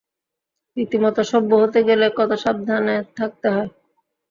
রীতিমত সভ্য হতে গেলে কত সাবধানে থাকতে হয়।